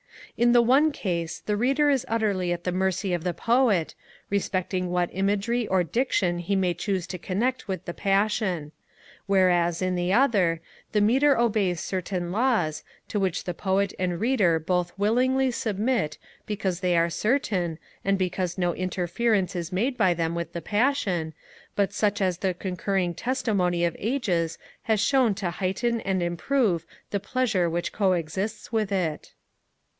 In the one case, the Reader is utterly at the mercy of the Poet, respecting what imagery or diction he may choose to connect with the passion; whereas, in the other, the metre obeys certain laws, to which the Poet and Reader both willingly submit because they are certain, and because no interference is made by them with the passion, but such as the concurring testimony of ages has shown to heighten and improve the pleasure which co exists with it.